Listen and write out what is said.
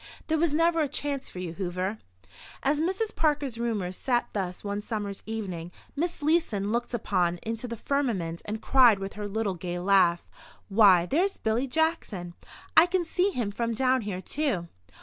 There was never a chance for you, Hoover. As Mrs. Parker's roomers sat thus one summer's evening, Miss Leeson looked up into the firmament and cried with her little gay laugh: "Why, there's Billy Jackson! I can see him from down here, too."